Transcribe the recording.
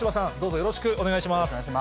よろしくお願いします。